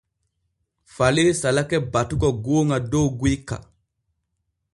Falee salake batugo gooŋa dow guyka.